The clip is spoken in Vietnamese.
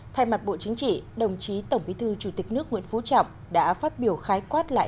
thay mặt bộ chính trị đồng chí tổng bí thư chủ tịch nước nguyễn phú trọng đã phát biểu khái quát lại